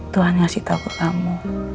tuhan ngasih tau ke kamu